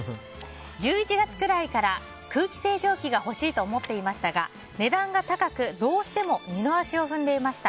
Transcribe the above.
１１月くらいから空気清浄機が欲しいと思っていましたが値段が高く、どうしても二の足を踏んでいました。